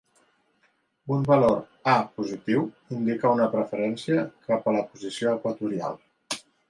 Un valor A positiu indica una preferència cap a la posició equatorial.